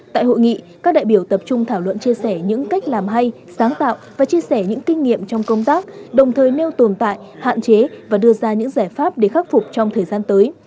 tại hội nghị các đại biểu tập trung thảo luận chia sẻ những cách làm hay sáng tạo và chia sẻ những kinh nghiệm trong công tác đồng thời nêu tồn tại hạn chế và đưa ra những giải pháp để khắc phục trong thời gian tới